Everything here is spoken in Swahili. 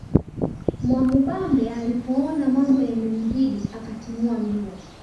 Mwamubambe alipoona mambo yamemzidia akatimua mbio